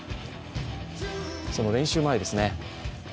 その練習前ですね